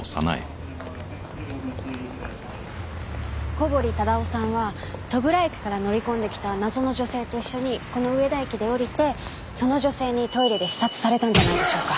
小堀忠夫さんは戸倉駅から乗り込んできた謎の女性と一緒にこの上田駅で降りてその女性にトイレで刺殺されたんじゃないでしょうか？